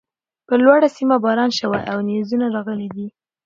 پر لوړۀ سيمه باران شوی او نيزونه راغلي دي